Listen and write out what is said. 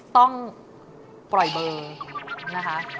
ต้องปล่อยเบอร์นะคะ